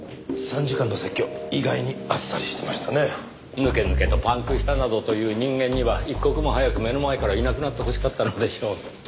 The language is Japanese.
ぬけぬけとパンクしたなどと言う人間には一刻も早く目の前からいなくなってほしかったのでしょう。